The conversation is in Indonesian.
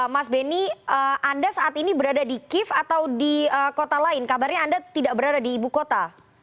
mas benny anda saat ini berada di kiev atau di kota lain kabarnya anda tidak berada di ibu kota